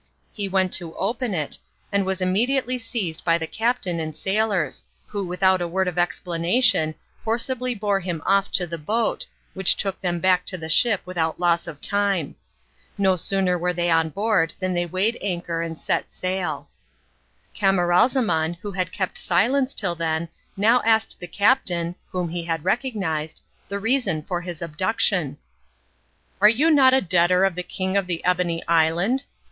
He went to open it, and was immediately seized by the captain and sailors, who without a word of explanation forcibly bore him off to the boat, which took them back to the ship without loss of time. No sooner were they on board than they weighed anchor and set sail. Camaralzaman, who had kept silence till then, now asked the captain (whom he had recognised) the reason for this abduction. "Are you not a debtor of the King of the Ebony Island?"